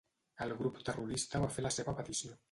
El grup terrorista va fer la seva petició.